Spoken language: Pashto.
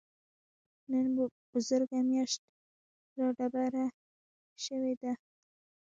نن بزرګه مياشت رادبره شوې ده.